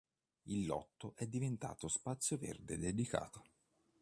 Il lotto è diventato spazio verde dedicato.